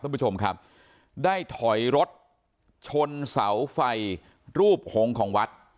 ท่านผู้ชมครับได้ถอยรถชนเสาไฟรูปหงษ์ของวัด